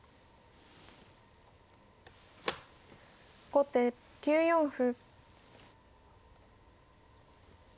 後手９四歩。